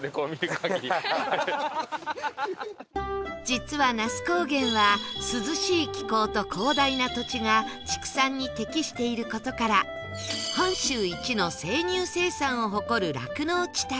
実は那須高原は涼しい気候と広大な土地が畜産に適している事から本州一の生乳生産を誇る酪農地帯